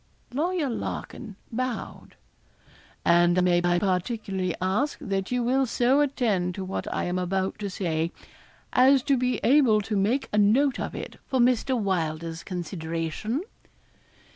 Lawyer Larkin bowed. 'And may I particularly ask that you will so attend to what I am about to say, as to be able to make a note of it for Mr. Welder's consideration?'